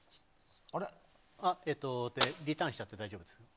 リターンしちゃって大丈夫です。